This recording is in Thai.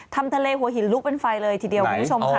ทำทะเลหัวหินลุกเป็นไฟเลยทีเดียวคุณผู้ชมค่ะ